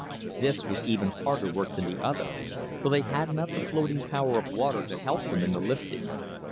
This was even harder work than the other, for they had not the floating power of water to help them in the lifting.